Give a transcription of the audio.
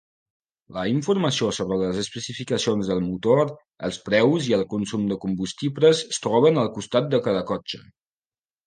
La informació sobre les especificacions del motor, els preus i el consum de combustible es troben al costat de cada cotxe.